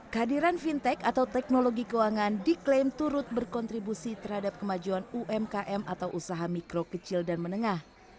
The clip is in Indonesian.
kehadiran fintech atau teknologi keuangan diklaim turut berkontribusi terhadap kemajuan umkm atau usaha mikro kecil dan menengah